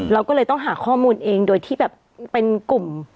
เราก็เลยต้องหาข้อมูลเองโดยที่แบบเป็นกลุ่ม